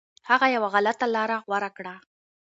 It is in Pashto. هغه یو غلطه لاره غوره کړه.